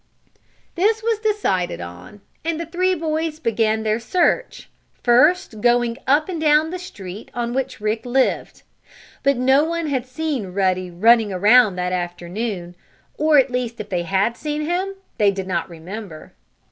This was decided on, and the three boys began their search, first going up and down the street on which Rick lived. But no one had seen Ruddy running around that afternoon, or at least if they had seen him, they did not remember.